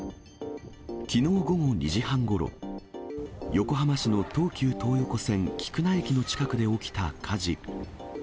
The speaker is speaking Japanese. きのう午後２時半ごろ、横浜市の東急東横線菊名駅の近くで起きた火事。